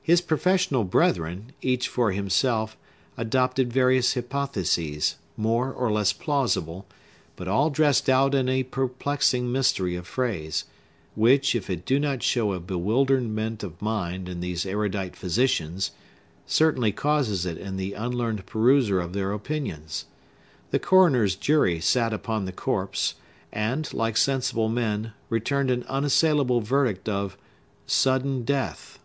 His professional brethren, each for himself, adopted various hypotheses, more or less plausible, but all dressed out in a perplexing mystery of phrase, which, if it do not show a bewilderment of mind in these erudite physicians, certainly causes it in the unlearned peruser of their opinions. The coroner's jury sat upon the corpse, and, like sensible men, returned an unassailable verdict of "Sudden Death!"